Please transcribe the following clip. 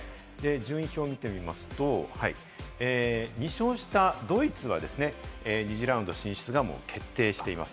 順位表を見てみますと、２勝したドイツは２次ラウンド進出がもう決定しています。